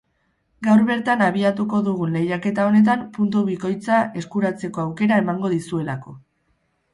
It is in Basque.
Gaur bertan abiatuko dugun lehiaketa honetan puntu bikoitza eskuratzeko aukera emango dizuelako.